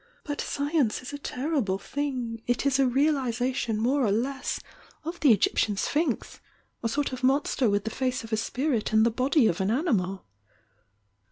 But Science 13 a terrible thing!— it is a reaJ ? 1 280 THE YOUNG DIANA isation more or less of the Egyptian Sphinx— a sort of monster with the face of a spirit and the body of an animal.